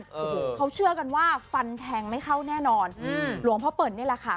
โอ้โหเขาเชื่อกันว่าฟันแทงไม่เข้าแน่นอนอืมหลวงพ่อเปิ่นนี่แหละค่ะ